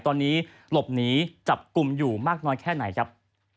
ตอนนี้หลบหนีจับกลุ่มอยู่มากน้อยแค่ไหนครับ